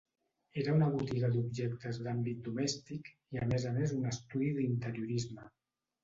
Era una botiga d'objectes d'àmbit domèstic, i a més a més un estudi d'interiorisme.